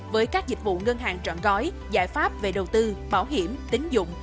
với các dịch vụ ngân hàng trọn gói giải pháp về đầu tư bảo hiểm tính dụng